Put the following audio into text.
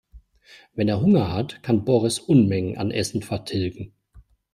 Wenn er Hunger hat, kann Boris Unmengen an Essen vertilgen.